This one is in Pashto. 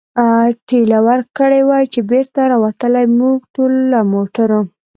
ټېله ورکړې وای، چې بېرته را وتلای، موږ ټول له موټرو.